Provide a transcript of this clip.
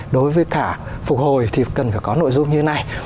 đối với cả phục hồi thì cần phải có nội dung như thế này